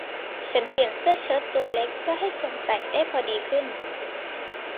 ฉันเปลี่ยนเสื้อเชิ้ตตัวเล็กเพื่อให้สวมใส่ได้พอดีขึ้น